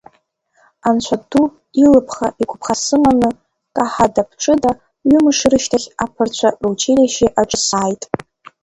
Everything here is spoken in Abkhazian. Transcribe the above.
Анцәа ду илԥха-игәыԥха сыманы, каҳада-ԥҽыда, ҩымш рышьҭахь аԥырцәа ручилишьче аҿы сааит.